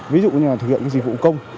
ví dụ như thực hiện dịch vụ công